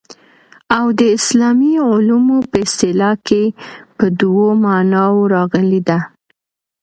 او د اسلامي علومو په اصطلاح کي په دوو معناوو راغلې ده.